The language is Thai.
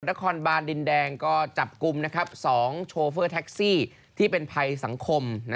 นครบานดินแดงก็จับกลุ่ม๒โชเฟอร์แท็กซี่ที่เป็นภัยสังคม